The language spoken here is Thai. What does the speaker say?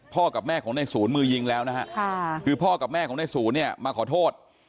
กับแม่ของในศูนย์มือยิงแล้วนะฮะคือพ่อกับแม่ของในศูนย์เนี่ยมาขอโทษ